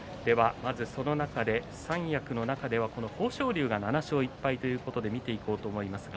その中で三役の中ではこの豊昇龍が７勝１敗ということで見ていこうと思います。